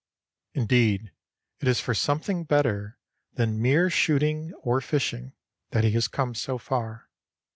Indeed, it is for something better than mere shooting or fishing that he has come so far.